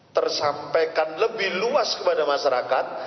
tersampaikan lebih luas kepada masyarakat